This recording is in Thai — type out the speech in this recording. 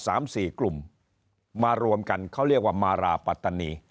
สามสี่กลุ่มมารวมกันเขาเรียกว่ามาราปัตตานี